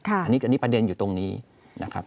อันนี้ประเด็นอยู่ตรงนี้นะครับ